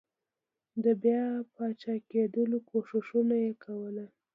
د بیا پاچاکېدلو کوښښونه یې کول.